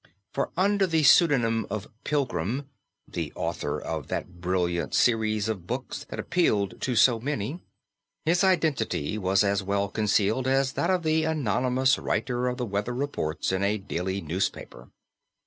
For under the pseudonym of "Pilgrim" (the author of that brilliant series of books that appealed to so many), his identity was as well concealed as that of the anonymous writer of the weather reports in a daily newspaper.